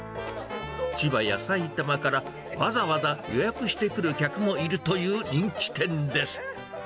千葉や埼玉からわざわざ予約してくる客もいるという人気店です。